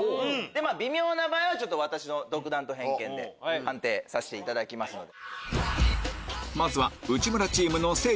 微妙な場合は私の独断と偏見で判定させていただきますので。